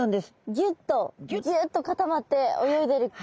ギュッとギュッと固まって泳いでる。